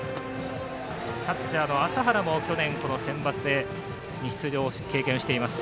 キャッチャーの麻原も去年、センバツに出場経験しています。